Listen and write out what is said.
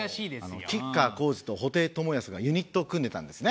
吉川晃司と布袋寅泰がユニットを組んでたんですね。